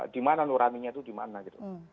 di mana nurani nya itu di mana gitu